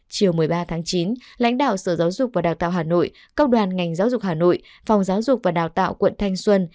chiều một mươi ba tháng chín lãnh đạo sở giáo dục và đào tạo hà nội công đoàn ngành giáo dục hà nội phòng giáo dục và đào tạo quận thanh xuân